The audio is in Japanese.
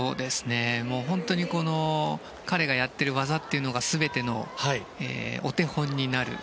本当に彼がやっている技というのが全てのお手本になる。